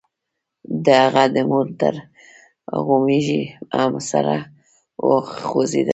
د هغه د مور تور غومبري هم سره وخوځېدل.